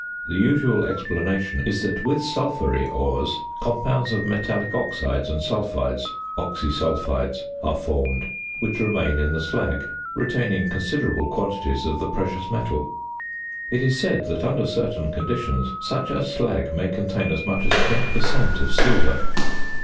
The usual explanation is that with sulphury ores compounds of metallic oxides and sulphides (oxysulphides) are formed, which remain in the slag, retaining considerable quantities of the precious metal. It is said that under certain conditions such a slag may contain as much as 10 per cent. of silver.